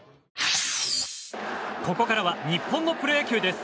ここからは日本のプロ野球です。